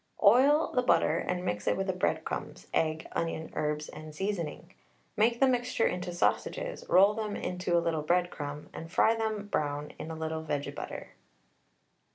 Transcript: Oil the butter and mix it with the breadcrumbs, egg, onion, herbs, and seasoning. Make the mixture into sausages, roll them into a little breadcrumb, and fry them brown in a little vege butter.